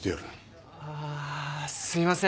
あすいません